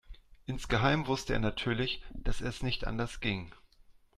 Insgeheim wusste er natürlich, dass es nicht anders ging.